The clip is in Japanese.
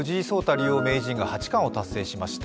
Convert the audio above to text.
竜王名人が八冠を達成しました。